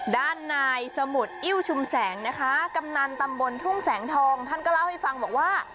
ด้านนายสมุดอิ้วชุมแสงนะคะกำนันตำบลทุ่งแสงทองท่านก็เล่าให้ฟังบอกว่า